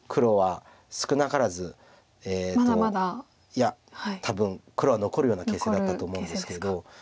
いや多分黒は残るような形勢だったと思うんですけど。